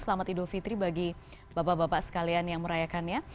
selamat idul fitri bagi bapak bapak sekalian yang merayakannya